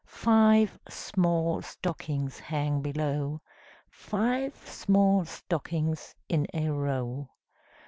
Five small stockings hang below; Five small stockings in a row.